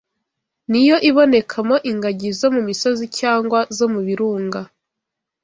Ni yo ibonekamo ingagi zo mu misozi cyangwa zo mu birunga